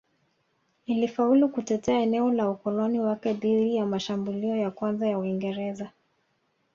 Lilifaulu kutetea eneo la ukoloni wake dhidi ya mashambulio ya kwanza ya Waingereza